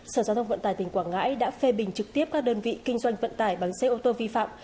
sở giao thông vận tải tỉnh quảng ngãi đã phê bình trực tiếp các đơn vị kinh doanh vận tải bằng xe ô tô vi phạm